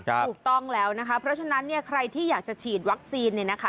ถูกต้องแล้วนะคะเพราะฉะนั้นเนี่ยใครที่อยากจะฉีดวัคซีนเนี่ยนะคะ